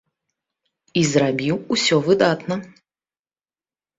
І зрабіў усё выдатна.